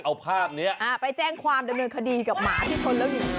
เอาภาพเนี้ยอ่าไปแจ้งความดำเนินคดีกับหมาที่ชนแล้วหนี